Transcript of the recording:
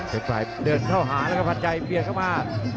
ผู้รองของรายการครับยิ่งชกยิ่งมันครับ